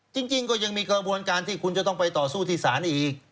จริงก็ยังมีกระบวนการที่คุณจะต้องไปต่อสู้ที่ศาลอีก